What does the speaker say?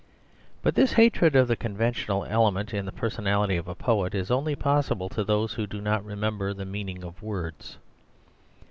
But this hatred of the conventional element in the personality of a poet is only possible to those who do not remember the meaning of words.